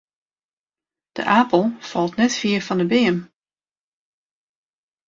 De apel falt net fier fan 'e beam.